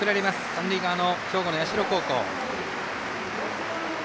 三塁側の兵庫の社高校。